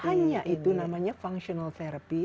kalau hanya itu namanya functional therapy